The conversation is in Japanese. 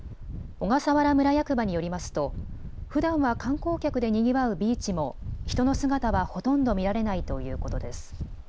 小笠原村役場によりますとふだんは観光客でにぎわうビーチも人の姿はほとんど見られないということです。